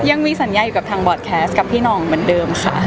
ยังมีสัญญาอยู่กับทางบอร์ดแคสต์กับพี่น้องเหมือนเดิมค่ะ